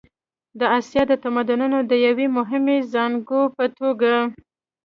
د اسیا د تمدنونو د یوې مهمې زانګو په توګه.